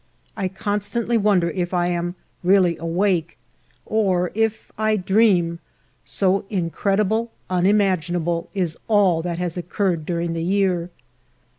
I constantly wonder if I am really awake, or if I dream, so incredible, unimaginable, is all that has occurred during the year.